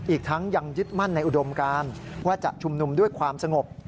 อีกทั้งยังยึดมั่นในอุดมการว่าจะชุมนุมด้วยความสงบ